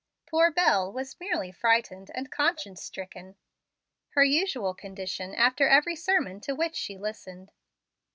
Poor Bel was merely frightened and conscience stricken, her usual condition after every sermon to which she listened.